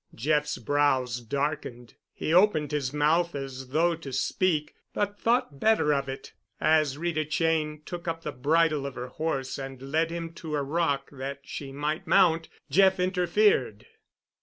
Jeff's brows darkened. He opened his mouth as though to speak, but thought better of it. As Rita Cheyne took up the bridle of her horse and led him to a rock that she might mount, Jeff interfered.